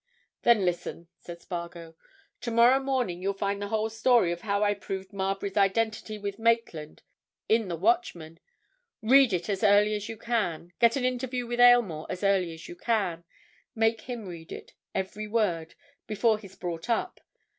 "Then listen," said Spargo. "Tomorrow morning you'll find the whole story of how I proved Marbury's identity with Maitland in the Watchman. Read it as early as you can; get an interview with Aylmore as early as you can; make him read it, every word, before he's brought up.